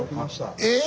えっ！